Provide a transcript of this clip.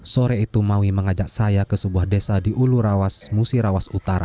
sore itu mawi mengajak saya ke sebuah desa di ulu rawas musirawas utara